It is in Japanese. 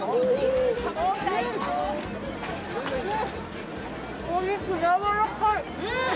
うんお肉やわらかい。